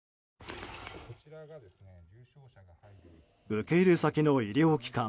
受け入れ先の医療機関。